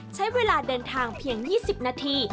ใช้เวลาเดินทางเพียง๒๐นาที